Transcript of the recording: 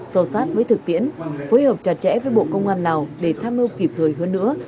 so sát với thực tiễn phối hợp chặt chẽ với bộ công an lào để tham mưu kịp thời hơn nữa